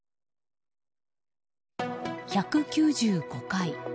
１９５回。